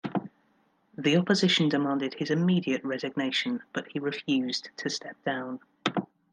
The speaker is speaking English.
The opposition demanded his immediate resignation but he refused to step down.